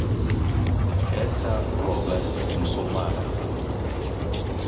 ئێستا ڕۆبەرت موسڵمانە.